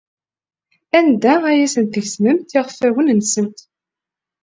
Anda ay asent-tgezmemt iɣfawen-nsent?